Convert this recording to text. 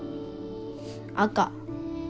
赤。